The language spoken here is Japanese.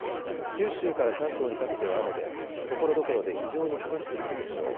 九州から関東にかけては雨でところどころで非常に激しく降るでしょう。